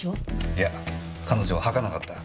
いや彼女は吐かなかった。